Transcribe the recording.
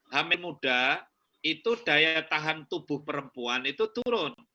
hamil muda itu daya tahan tubuh perempuan itu turun